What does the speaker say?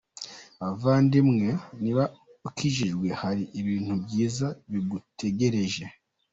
Bavandimwe, niba ukijijwe hari ibintu byiza bigutegereje !!